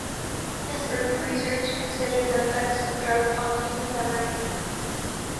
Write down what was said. His early research considered the effects of drugs on human memory.